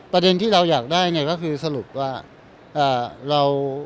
ประเด็นที่เราอยากได้ก็คือสรุปว่า